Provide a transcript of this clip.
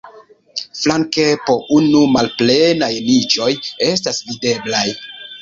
Flanke po unu malplenaj niĉoj estas videblaj.